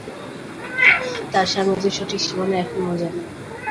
তাঁর সাম্রাজ্যের সঠিক সীমানা এখনও অজানা।